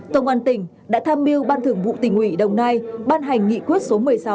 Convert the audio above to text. công an tỉnh đã tham mưu ban thường vụ tỉnh ủy đồng nai ban hành nghị quyết số một mươi sáu